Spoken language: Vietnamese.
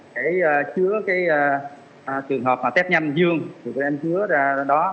để chứa cái trường hợp mà tép nhanh dương tụi em chứa ra đó